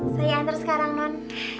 saya antar sekarang non